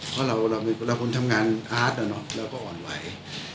เพราะเราเราเป็นคนทำงานอาร์ตน่ะหน่อยเราก็อ่อนไหว